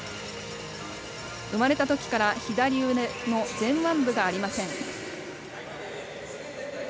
生まれたときから左腕の前腕部がありません。